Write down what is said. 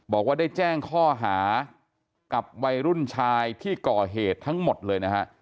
บอกว่าได้แจ้งข้อหากับวัยรุ่นชายที่ก่อเหตุทั้งหมดเลยนะฮะ